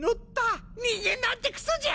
人間なんてクソじゃ！